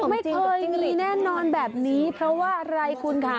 ไม่เคยมีแน่นอนแบบนี้เพราะว่าอะไรคุณค่ะ